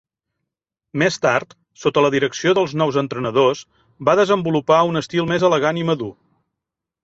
Més tard, sota la direcció dels nous entrenadors, va desenvolupar un estil més elegant i madur.